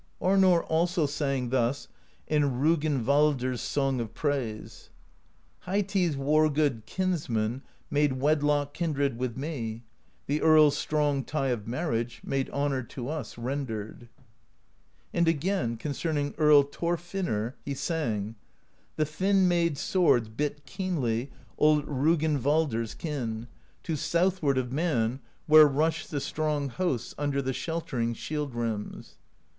Arnorr also sang thus in Rognvaldr s Song of Praise Heiti's war good kinsman Made wedlock kindred with me: The earl's strong tie of marriage Made honor to us rendered. And again, concerning Earl Thorfinnr, he sang: The thin made swords bit keenly Old Rognvaldr's kin, to southward THE POESY OF SKALDS 203 Of Man, where rushed the strong hosts Under the sheltering shield rims.